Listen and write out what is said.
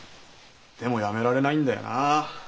でもやめられないんだよなあ。